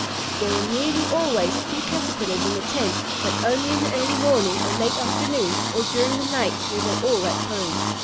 There were nearly always a few Caterpillars in the tent, but only in the early morning or late afternoon or during the night were they all at home.